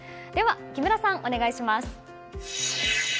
木村さん、お願いします。